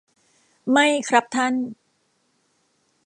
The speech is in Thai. ไม่ครับท่าน